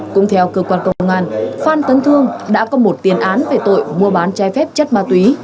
cũng theo cơ quan công an phan tấn thương đã có một tiền án về tội mua bán trái phép chất ma túy